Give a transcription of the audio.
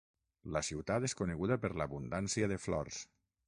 La ciutat és coneguda per l'abundància de flors.